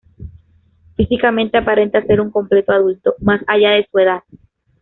Físicamente aparenta ser un completo adulto, más allá de su edad.